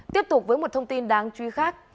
tiếp tục với một thông tin đáng truy khác